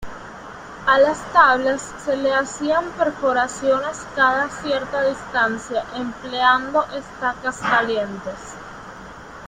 A las tablas se le hacían perforaciones cada cierta distancia empleando estacas calientes.